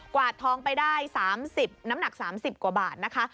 วาดทองไปได้๓๐น้ำหนัก๓๐กว่าบาทนะคะ